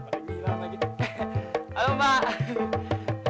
hanya menyerang wan